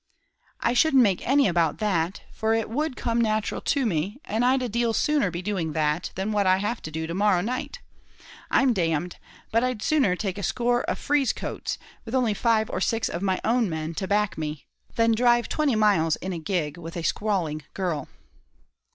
"I shouldn't make any about that, for it would come natural to me; and I'd a deal sooner be doing that, than what I have to do to morrow night. I'm d d, but I'd sooner take a score of frieze coats, with only five or six of my own men to back me, than drive twenty miles in a gig with a squalling girl."